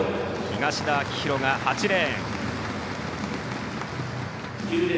東田旺洋が８レーン。